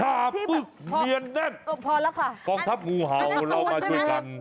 ชาปึกเมียนแน่นฟองทัพงูเห่าเรามาช่วยกัน